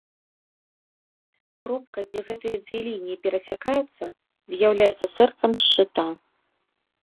Кропка, дзе гэтыя дзве лініі перасякаюцца, з'яўляецца сэрцам шчыта.